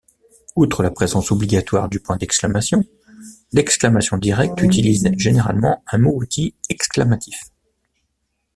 Outre la présence obligatoire du point d'exclamation, l'exclamation directe utilise généralement un mot-outil exclamatif.